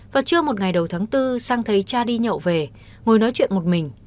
và trưa một ngày đầu tháng bốn sang thấy cha đi nhậu về ngồi nói chuyện một mình